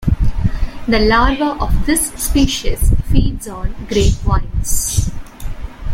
The larva of this species feeds on grapevines.